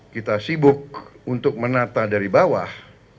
kita sibuk untuk menata dari bawah